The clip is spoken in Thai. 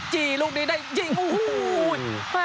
ลูกนี้ได้ยิงโอ้โห